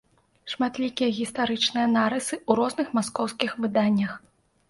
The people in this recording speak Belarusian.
Шматлікія гістарычныя нарысы ў розных маскоўскіх выданнях.